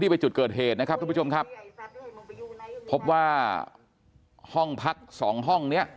ไปจุดเกิดเหตุนะครับทุกผู้ชมครับพบว่าห้องพักสองห้องเนี้ย